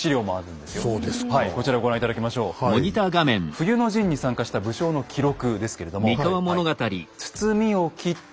冬の陣に参加した武将の記録ですけれども。